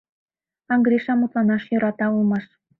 А Гриша мутланаш йӧрата улмаш.